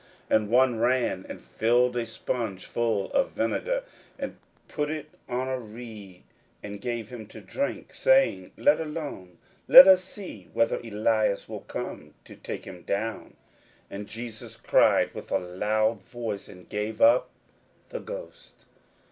41:015:036 And one ran and filled a spunge full of vinegar, and put it on a reed, and gave him to drink, saying, Let alone; let us see whether Elias will come to take him down. 41:015:037 And Jesus cried with a loud voice, and gave up the ghost.